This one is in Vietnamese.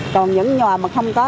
còn những nhà mà không có